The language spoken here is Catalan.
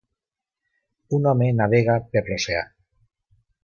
Un home navega per l'oceà